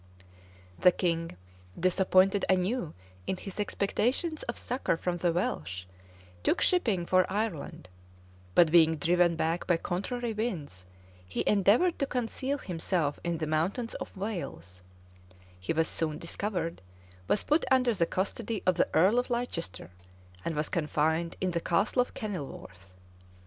The king, disappointed anew in his expectations of succor from the Welsh, took shipping for Ireland; but being driven back by contrary winds, he endeavored to conceal himself in the mountains of Wales: he was soon discovered, was put under the custody of the earl of Leicester, and was confined in the castle of Kenilworth.